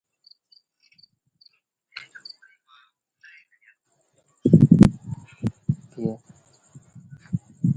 تڏهيݩ زرور کآڌ ڏبيٚ اهي